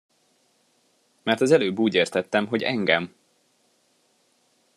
Mert az előbb úgy értettem, hogy engem!